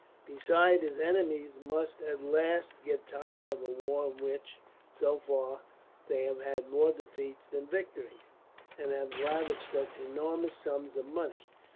"Besides, his enemies must at last get tired of a war in which, so far, they have had more defeats than victories, and have lavished such enormous sums of money.